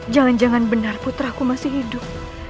jangan jangan benar putraku masih hidup